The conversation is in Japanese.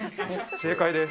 正解です。